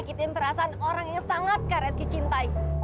sampai jumpa di video selanjutnya